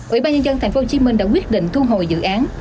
ủy ban nhân dân tp hcm đã quyết định thu hồi dự án